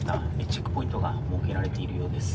チェックポイントが設けられているようです。